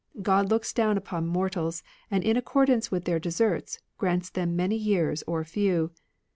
God looks down upon mortals, and in accord ance with their deserts grants them many years or few.